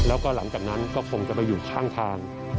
แล้วก็หลังจากนั้นก็คงจะไปอยู่ข้างทาง